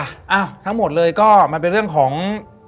อ้าวทั้งหมดเลยก็มันเป็นเรื่องของ